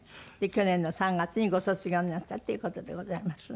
去年の３月にご卒業になったっていう事でございます。